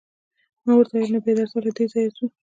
ما ورته وویل: نو بیا درځه، له دې ځایه ځو.